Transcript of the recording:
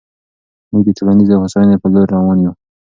موږ د ټولنیزې هوساینې په لور روان یو.